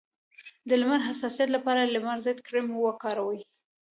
د لمر د حساسیت لپاره د لمر ضد کریم وکاروئ